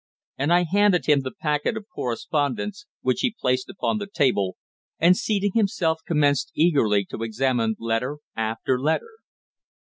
and I handed him the packet of correspondence, which he placed upon the table, and, seating himself, commenced eagerly to examine letter after letter.